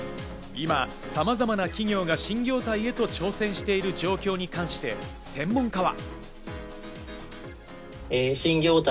今、様々な企業が新業態へと挑戦している状況に関して専門家は。